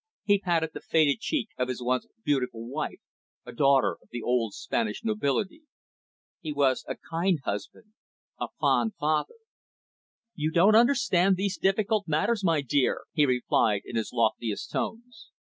He patted the faded cheek of his once beautiful wife, a daughter of the old Spanish nobility. He was a kind husband, a fond father. "You do not understand these difficult matters, my dear," he replied in his loftiest tones.